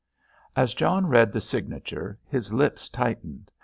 As John read the signature his lips tightened.